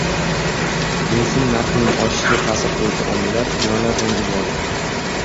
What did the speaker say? Benzin narxining oshishiga ta’sir qiluvchi omillar nimalardan iborat?